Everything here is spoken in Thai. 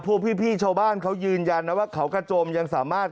พวกพี่ชาวบ้านเขายืนยันนะว่าเขากระจมยังสามารถ